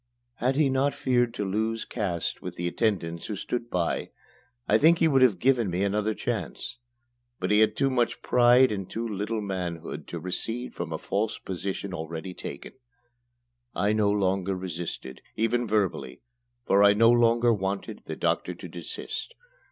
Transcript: Had he not feared to lose caste with the attendants who stood by, I think he would have given me another chance. But he had too much pride and too little manhood to recede from a false position already taken. I no longer resisted, even verbally, for I no longer wanted the doctor to desist.